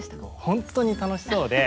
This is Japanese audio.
本当に楽しそうで。